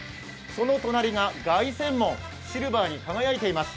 その隣が凱旋門、シルバーに輝いています。